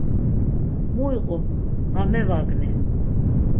Mu iqu va mevagni?